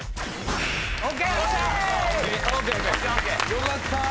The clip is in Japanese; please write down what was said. よかったぁ！